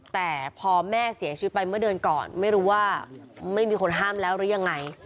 แต่พอแม่เสียชีวิตไปเมื่อเดือนก่อนไม่รู้ว่าไม่มีคนห้ามแล้วหรือยังไง